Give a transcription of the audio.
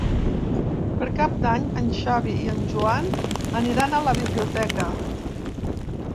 Per Cap d'Any en Xavi i en Joan aniran a la biblioteca.